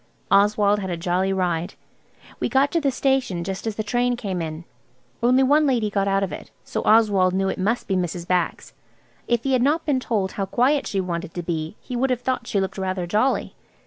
Oswald had a jolly ride. We got to the station just as the train came in. Only one lady got out of it, so Oswald knew it must be Mrs. Bax. If he had not been told how quiet she wanted to be he would have thought she looked rather jolly.